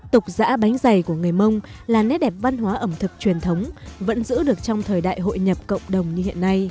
tục giã bánh dày của người mông là nét đẹp văn hóa ẩm thực truyền thống vẫn giữ được trong thời đại hội nhập cộng đồng như hiện nay